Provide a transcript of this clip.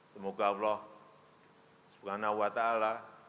semoga allah subhanahu wa ta'ala